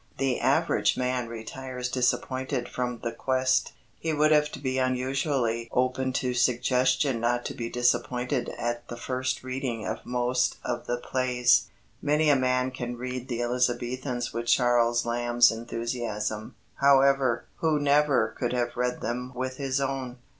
The average man retires disappointed from the quest. He would have to be unusually open to suggestion not to be disappointed at the first reading of most of the plays. Many a man can read the Elizabethans with Charles Lamb's enthusiasm, however, who never could have read them with his own.